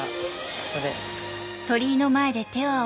ここで。